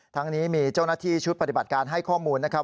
ทั้งนี้มีเจ้าหน้าที่ชุดปฏิบัติการให้ข้อมูลนะครับ